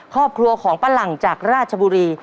ครอบครัวของป้าหลังจากราชบุรี